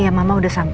bagaimana aja si r aja